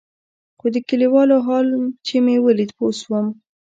خو د كليوالو حال چې مې ولېد پوه سوم.